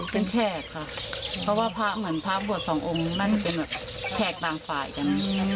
เป็นแขกค่ะเพราะว่าพระเหมือนพระบวชสององค์นี้มันเป็นแบบแขกต่างฝ่ายกัน